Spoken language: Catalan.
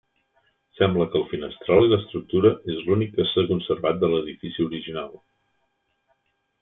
Sembla que el finestral i l'estructura és l'únic que s'ha conservat de l'edifici original.